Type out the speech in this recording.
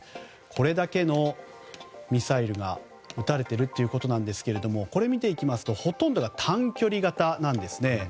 これだけのミサイルが撃たれているということなんですけれどもこれを見ていきますとほとんどが短距離型なんですね。